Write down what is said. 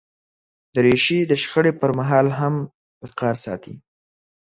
دریشي د شخړې پر مهال هم وقار ساتي.